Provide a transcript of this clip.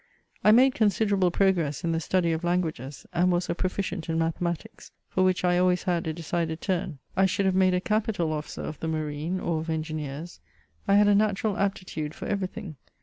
I made considerable progress in the study of languages, and was a proficient in mathematics, for which I bad always had a decided turn. I should have made a capital officer of die marine, or of engineers. I had a natural aptitude for everything.